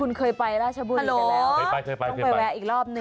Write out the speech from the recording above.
คุณเคยไปราชบุรีไปแล้ว